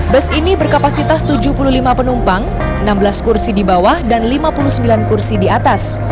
bus ini berkapasitas tujuh puluh lima penumpang enam belas kursi di bawah dan lima puluh sembilan kursi di atas